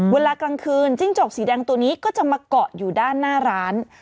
เวลากลางคืนจิ้งจกสีแดงตัวนี้ก็จะมาเกาะอยู่ด้านหน้าร้าน